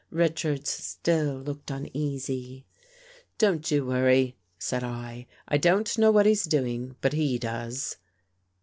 Richards still looked uneasy. " Don't you worry," said I. " I don't know what he's doing, but he does."